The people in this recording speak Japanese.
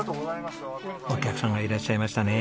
お客さんがいらっしゃいましたね。